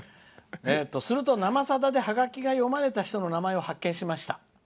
「「生さだ」でハガキが読まれた人を発見しました。